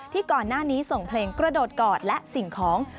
ก่อนหน้านี้ส่งเพลงกระโดดกอดและสิ่งของ